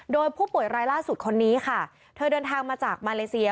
โดยผู้ป่วยรายล่าสุดคนนี้ค่ะเธอเดินทางมาจากมาเลเซีย